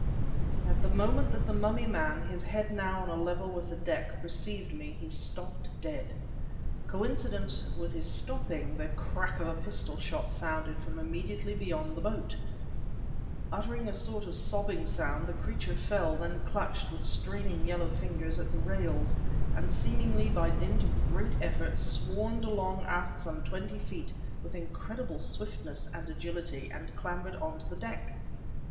At the moment that the mummy man his head now on a level with the deck perceived me, he stopped dead. Coincident with his stopping, the crack of a pistol shot sounded from immediately beyond the boat. Uttering a sort of sobbing sound, the creature fell then clutched, with straining yellow fingers, at the rails, and, seemingly by dint of a great effort, swarmed along aft some twenty feet, with incredible swiftness and agility, and clambered onto the deck.